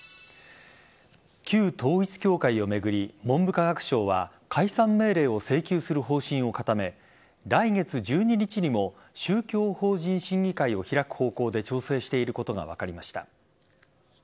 旧統一教会を巡り文部科学省は解散命令を請求する方針を固め来月１２日にも宗教法人審議会を開く方向で調整していることが分かりました。